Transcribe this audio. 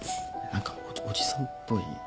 何かおじさんっぽい。